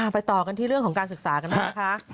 ไปต่อกันที่เรื่องของการศึกษากันหน่อยนะคะ